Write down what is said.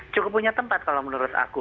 cukup punya tempat kalau menurut aku